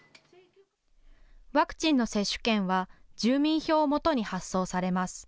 ワクチンの接種券は住民票をもとに発送されます。